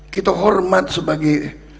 kita hormat sebagai